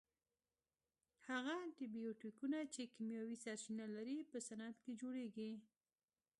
هغه انټي بیوټیکونه چې کیمیاوي سرچینه لري په صنعت کې جوړیږي.